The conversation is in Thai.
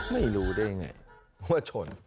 ไม่รู้ได้ยังไงว่าชน